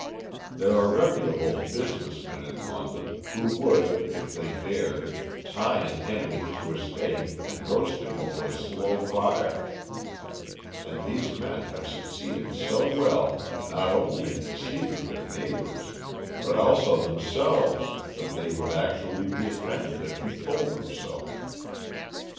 There are reputable business men in London who would, if they dared, tie an enemy to a stake and roast him over a slow fire, and these men have succeeded so well, not only in deceiving their neighbours, but also themselves, that they would actually be offended if you told them so.